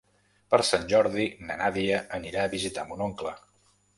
Per Sant Jordi na Nàdia anirà a visitar mon oncle.